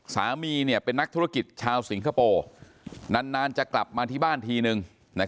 สามีเป็นนักธุรกิจชาวสิงคโปร์นานจะกลับมาที่บ้านทีนึง